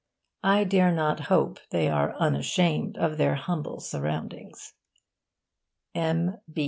I dare not hope they are unashamed of their humble surroundings. M.